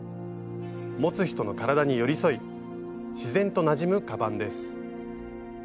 持つ人の体に寄り添い自然となじむカバンです。